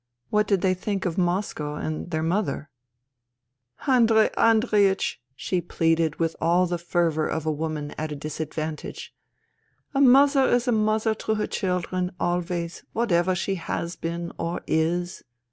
" What did they think of Moscow and their mother ?"" Andrei Andreiech !" she pleaded with all the fervour of a woman at a disadvantage. " A mother is a mother to her children, always, whatever she has been or is.